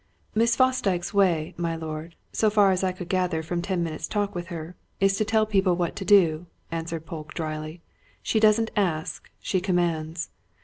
"Miss Fosdyke's way, my lord so far as I could gather from ten minutes' talk with her is to tell people what to do," answered Polke drily. "She doesn't ask she commands!